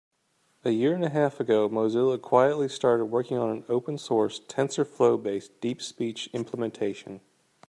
A year and a half ago, Mozilla quietly started working on an open source, TensorFlow-based DeepSpeech implementation.